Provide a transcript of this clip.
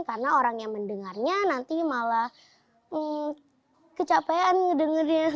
karena orang yang mendengarnya nanti malah kecapean ngedengarnya gitu